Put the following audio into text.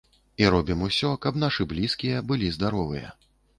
І робім усё, каб нашы блізкія былі здаровыя.